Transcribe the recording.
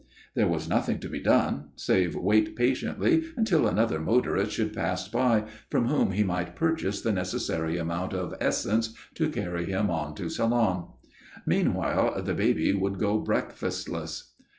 There was nothing to be done save wait patiently until another motorist should pass by from whom he might purchase the necessary amount of essence to carry him on to Salon. Meanwhile the baby would go breakfastless.